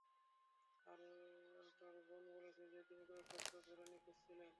আর তার বোন বলেছেন যে, তিনি কয়েক সপ্তাহ ধরে নিখোঁজ ছিলেন।